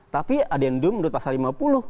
tapi adendum menurut pasal lima puluh